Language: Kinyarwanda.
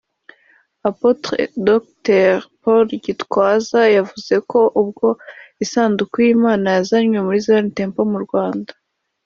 Apotre Dr Paul Gitwaza yavuze ko ubwo isanduku y’Imana yazanywe muri Zion Temple mu Rwanda